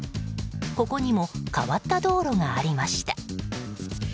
ここにも変わった道路がありました。